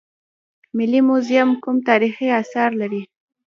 ملي موزیم کوم تاریخي اثار لري؟